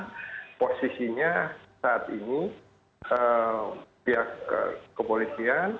nah posisinya saat ini pihak kepolisian